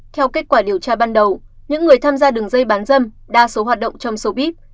theo kết quả điều tra ban đầu những người tham gia đường dây bán dâm đa số hoạt động trong số bip